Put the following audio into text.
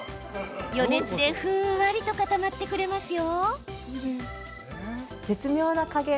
余熱でふんわりと固まってくれますよ。